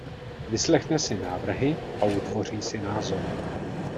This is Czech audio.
Vyslechne si návrhy a utvoří si názor.